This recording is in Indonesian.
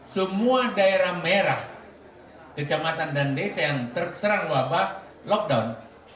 semua daerah merah kecamatan dan desa yang terserang wabah lockdown